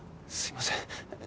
すいません。